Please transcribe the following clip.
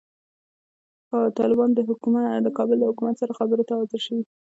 طالبان د کابل له حکومت سره خبرو ته حاضر شوي.